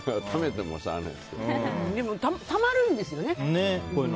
でも、たまるんですよね。